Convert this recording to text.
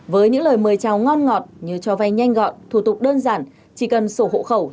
với những lời mời chào ngon ngọt như cho vay nhanh gọn thủ tục đơn giản chỉ cần sổ hộ khẩu